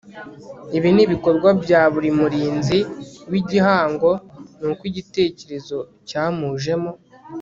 ibi ni ibikorwa bya buri murinzi w'igihango n'uko igitekerezo cyamujemo